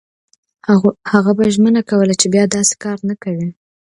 هغه به ژمنه کوله چې بیا داسې کار نه کوي.